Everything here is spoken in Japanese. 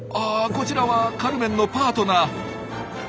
こちらはカルメンのパートナー。